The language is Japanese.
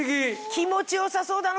気持ち良さそうだな